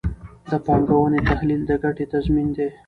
د پانګونې تحلیل د ګټې تضمین دی.